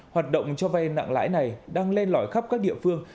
hoạt động cho vay nặng lãi này đang lên lõi khắp các địa phương